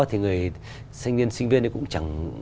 thì người thanh niên sinh viên ấy cũng chẳng